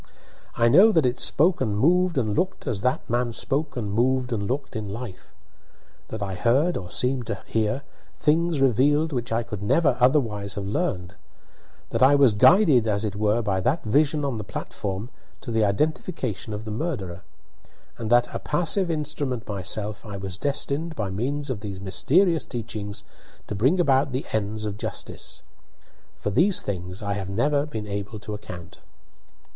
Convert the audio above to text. I know that it spoke and moved and looked as that man spoke and moved and looked in life; that I heard, or seemed to hear, things revealed which I could never otherwise have learned; that I was guided, as it were, by that vision on the platform to the identification of the murderer; and that, a passive instrument myself, I was destined, by means of these mysterious teachings to bring about the ends of justice. For these things I have never been able to account.